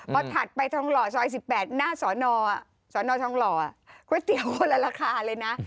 พอถัดไปทองหล่อซอย๑๘หน้าสอนอทองหล่อก๋วยเตี๋ยวคนละราคาเลยนะ